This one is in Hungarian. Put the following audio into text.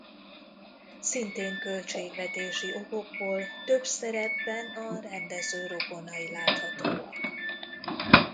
Szintén költségvetési okokból több szerepben a rendező rokonai láthatóak.